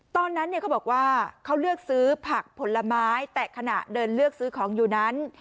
ตอนนั้นเขาบอกว่าเขาเลือกซื้อผักผลไม้แต่ขณะเดินเลือกซื้อของอยู่นั้น